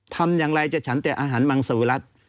ทำอย่างไรจะฉันแต่อาหารมังสวิรัติ